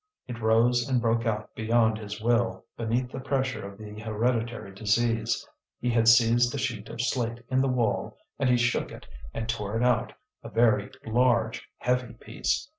It rose and broke out beyond his will, beneath the pressure of the hereditary disease. He had seized a sheet of slate in the wall and he shook it and tore it out, a very large, heavy piece.